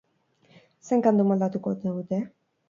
Zein kantu moldatuko ote dute?